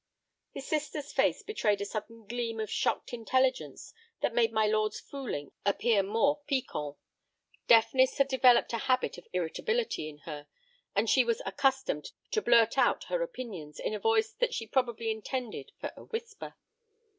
His sister's face betrayed a sudden gleam of shocked intelligence that made my lord's fooling appear more piquant. Deafness had developed a habit of irritability in her, and she was accustomed to blurt out her opinions in a voice that she probably intended for a whisper.